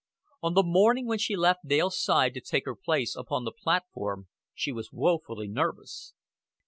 On the morning when she left Dale's side to take her place upon the platform she was woefully nervous.